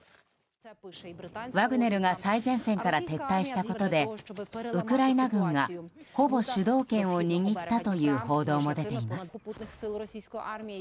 ワグネルが最前線から撤退したことでウクライナ軍が、ほぼ主導権を握ったという報道も出ています。